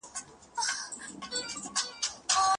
هوا پاکه کول د انسان روغتیا ته ګټه لري.